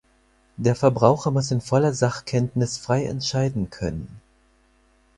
Der Verbraucher muss in voller Sachkenntnis frei entscheiden können.